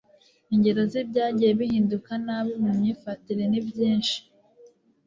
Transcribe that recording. ingero z'ibyagiye bihinduka nabi mu myifatire ni byinshi